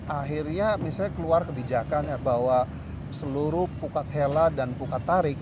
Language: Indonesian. akhirnya misalnya keluar kebijakan bahwa seluruh pukat hela dan pukat tarik